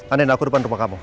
aneh aku depan rumah kamu